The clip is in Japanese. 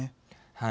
はい。